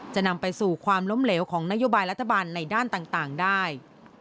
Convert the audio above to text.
จะนำไปสู่ความล้มเหลวของนโยบายรัฐบาลในด้านต่างได้